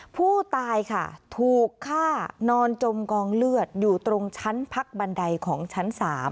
ผู้ตายค่ะถูกฆ่านอนจมกองเลือดอยู่ตรงชั้นพักบันไดของชั้น๓